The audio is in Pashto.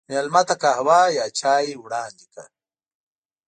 مېلمه ته قهوه یا چای وړاندې کړه.